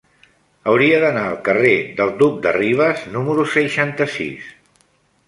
Hauria d'anar al carrer del Duc de Rivas número seixanta-sis.